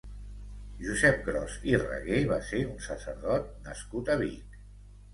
Josep Gros i Raguer va ser un sacerdot nascut a Vic.